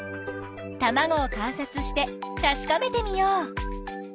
たまごを観察してたしかめてみよう。